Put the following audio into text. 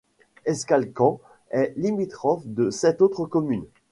Escalquens est limitrophe de sept autres communes.